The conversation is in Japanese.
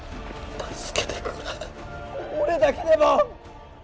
助けてくれ俺だけでも！